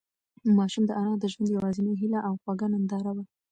ماشوم د انا د ژوند یوازینۍ هيله او خوږه ننداره وه.